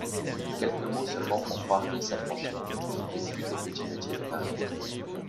Quelques mots seulement font croire qu'il s'affranchit, qu'il vécut des petits métiers de Paris.